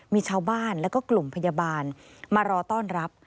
มีชาวบ้านแล้วก็กลุ่มพยาบาลมารอต้อนรับ